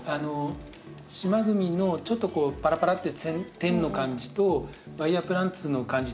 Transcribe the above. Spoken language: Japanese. シマグミのちょっとこうパラパラって点の感じとワイヤープランツの感じ